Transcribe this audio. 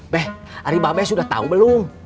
beh ariebabes sudah tahu belum